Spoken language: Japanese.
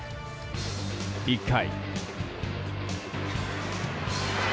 １回。